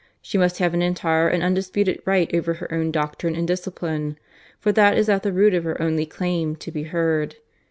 She must have an entire and undisputed right over her own doctrine and discipline; for that is at the root of her only claim to be heard.